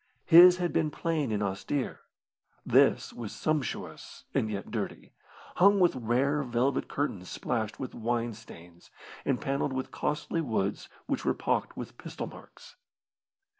His had been plain and austere. This was sumptuous and yet dirty, hung with rare velvet curtains splashed with wine stains, and panelled with costly woods which were pocked with pistol marks.